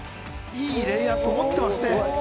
いいレイアップ持ってますね。